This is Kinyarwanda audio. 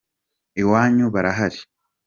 Iwanyu barahari?